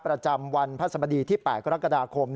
ประจำวันพระสมดีที่๘กรกฎาคม